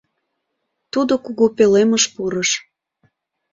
Тудо кугу пӧлемыш пурыш.